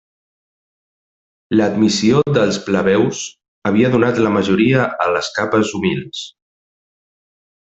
L'admissió dels plebeus havia donat la majoria a les capes humils.